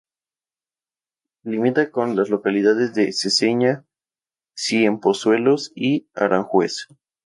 Limita con las localidades de Seseña, Ciempozuelos y Aranjuez.